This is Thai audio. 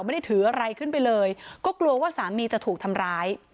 ไม่ได้ถืออะไรขึ้นไปเลยก็กลัวว่าสามีจะถูกทำร้าย